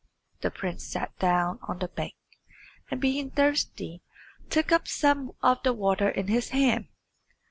The prince sat down on the bank, and being thirsty took up some of the water in his hand.